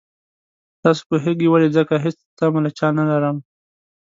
تاسو پوهېږئ ولې ځکه هېڅ تمه له چا نه لرم.